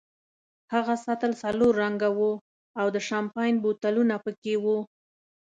هغه سطل سلور رنګه وو او د شیمپین بوتلونه پکې وو.